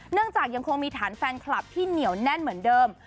ยังคงมีฐานแฟนคลับที่เหนียวแน่นเหมือนเดิม